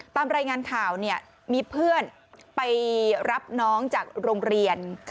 ตามรายงานข่าวเนี่ยมีเพื่อนไปรับน้องจากโรงเรียน